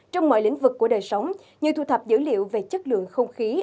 trong mọi lĩnh vực của đời sống như thu thập dữ liệu về chất lượng không khí